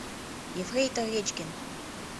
— Ефрейтор Речкин!